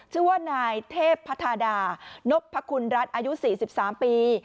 ชื่อว่านายเทพภัทรดานบพระคุณรัฐอายุสี่สิบสามปี